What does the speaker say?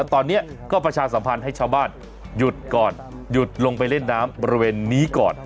ตอนนี้ก็ประชาสัมพันธ์ให้ชาวบ้านหยุดก่อนหยุดลงไปเล่นน้ำบริเวณนี้ก่อน